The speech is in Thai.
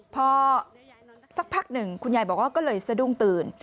พอสักพักหนึ่งคุณยายบอกว่าก็เลยสะดุ้งตื่น